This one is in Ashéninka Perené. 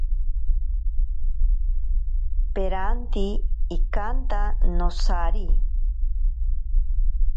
Peranti ikanta nosari.